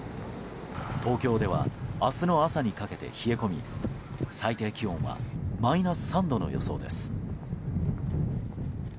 東京では明日の朝にかけて冷え込み最低気温はマイナス３度の予想です。